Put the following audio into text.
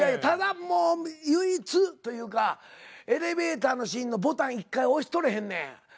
ただもう唯一というかエレベーターのシーンのボタン１階押しとれへんねん。